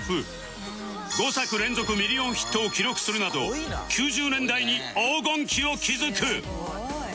５作連続ミリオンヒットを記録するなど９０年代に黄金期を築く